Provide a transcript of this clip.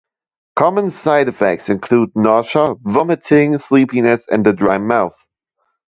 Common side effects include nausea, vomiting, sleepiness, and a dry mouth.